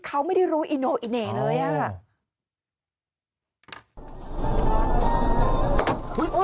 เขาไม่ได้รู้อิโนอิเน่เลยอ่ะ